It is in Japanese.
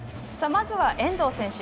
まずは遠藤選手。